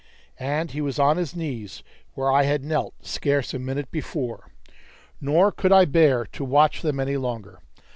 And he was on his knees where I had knelt scarce a minute before; nor could I bear to watch them any longer.